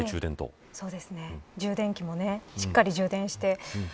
充電器もしっかり充電して。